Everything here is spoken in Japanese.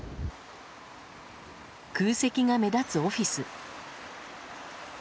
空席が目立つオフィス。